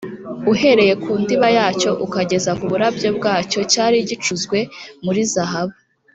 uhereye ku ndiba yacyo kugeza ku burabyo bwacyo cyari gicuzwe muri zahabu